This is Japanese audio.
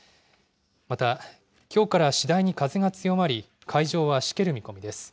また、きょうから次第に風が強まり、海上はしける見込みです。